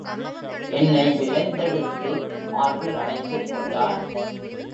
என்னை விரைந்தெடுத்து மார்பில் அணைத்துக் கொண்டான்.